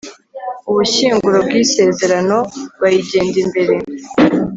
ubushyinguro bw'isezerano bayigenda imbere